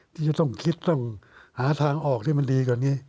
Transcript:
ที่จะต้องคิดต้องหาทางออกที่มันดีกว่านี้